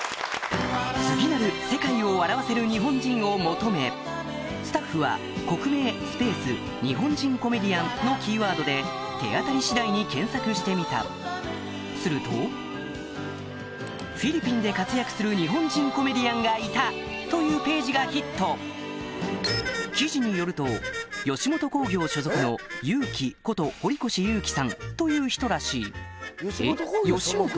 次なる世界を笑わせる日本人を求めスタッフは「国名スペース日本人コメディアン」のキーワードで手当たり次第に検索してみたすると「フィリピンで活躍する日本人コメディアンがいた！」というページがヒット記事によると吉本興業所属のＹＵＫＩこと堀越祐樹さんという人らしいえっ吉本？